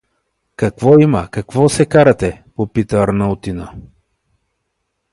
— Какво има? Какво се карате? — попита Арнаутина.